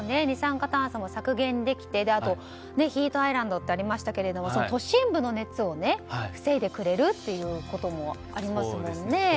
二酸化炭素が削減できてヒートアイランドっていうのもありましたが都心部の熱を防いでくれるということもありますもんね。